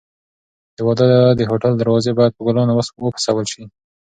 د واده د هوټل دروازې باید په ګلانو وپسولل شي.